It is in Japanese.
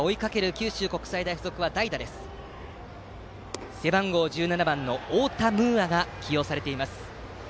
九州国際大付属は代打で背番号１７番の太田夢天が起用されています。